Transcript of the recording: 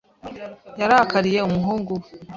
Yarakariye umuhungu we.